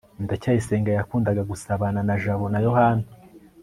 ndacyayisenga yakundaga gusabana na jabo na yohana